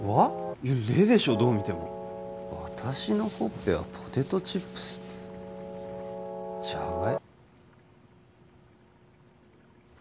いや「れ」でしょどう見ても「わたしのほっぺはポテトチップス」ってジャガ